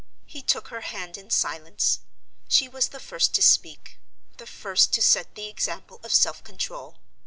He took her hand in silence. She was the first to speak, the first to set the example of self control.